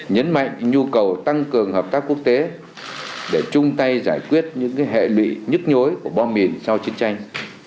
nhấn mạnh nhu cầu tăng cường hợp tác quốc tế để chung tay giải quyết những hệ lụy nhức nhối của bom mìn sau chiến tranh